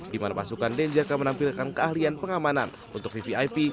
dimana pasukan denjaka menampilkan keahlian pengamanan untuk vvip